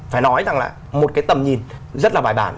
phải nói rằng là một cái tầm nhìn rất là bài bản